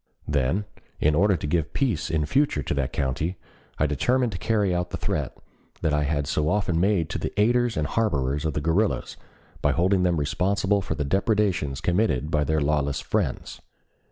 Then in order to give peace in future to the county, I determined to carry out the threat I had so often made to the aiders and harborers of the guerrillas by holding them responsible for the depredations committed by their lawless friends.